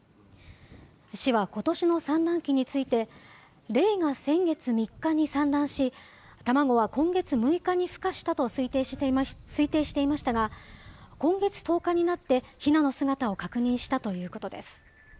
市はことしの産卵期について、レイが先月３日に産卵し、卵は今月６日にふ化したと推定していましたが、今月１０日になって、ひなの姿を確認したということです。